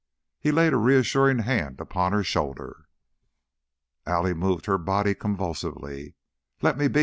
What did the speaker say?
He laid a reassuring hand upon her shoulder. Allie moved her body convulsively. "Lemme be!"